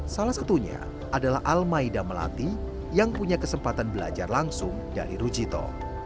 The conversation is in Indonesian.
salah satunya adalah al maida melati yang punya kesempatan belajar langsung dari rujito